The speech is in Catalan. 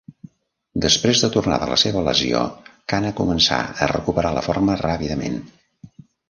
Després de tornar de la seva lesió, Cana començà a recuperar la forma ràpidament.